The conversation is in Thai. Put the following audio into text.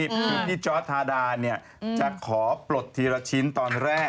คือพี่จอร์ดทาดาจะขอปลดทีละชิ้นตอนแรก